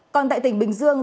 còn tại tỉnh bình dương